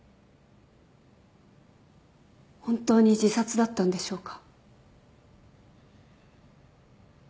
本当に自殺だったんでしょうか？